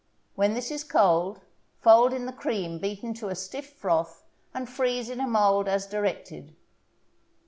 When this is cold, fold in the cream beaten to a stiff froth, and freeze in a mold as directed.